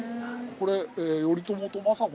これ。